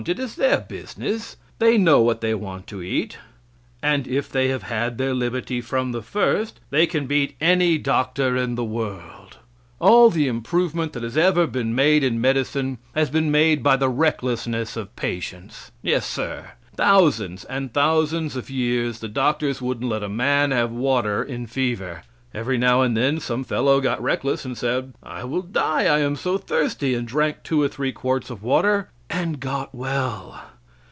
It is their business. They know what they want to eat. And if they have had their liberty from the first, they can beat any doctor in the world. All the improvement that has ever been made in medicine has been made by the recklessness of patients. Yes, sir. Thousands and thousands of years the doctors wouldn't let a man have water in fever. Every now and then some fellow got reckless and said: "I will die, I am so thirsty," and drank two or three quarts of water and got well.